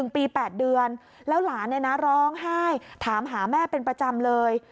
๑ปี๘เดือนแล้วหลานร้องไห้ถามหาแม่เป็นประจำเลย